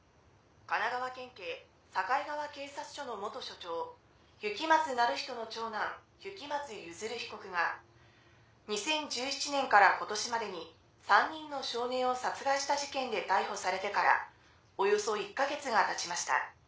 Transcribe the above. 神奈川県警境川警察署の署長・雪松弓弦被告が２０１７年から今年までに３人の少年を殺害した事件で逮捕されてからおよそ１か月がたちました。